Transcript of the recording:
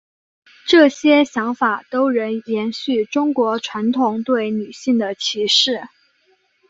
这些想法都仍延续中国传统对女性的歧视。